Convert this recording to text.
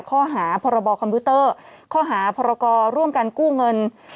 ข้อหาพรบคอมพิวเตอร์ข้อหาพรกรร่วมกันกู้เงิน